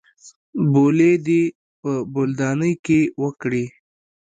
بولې دې په بولدانۍ کښې وکړې.